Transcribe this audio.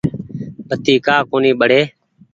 بتي ڪآ ڪونيٚ ٻڙي ۔